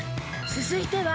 続いては］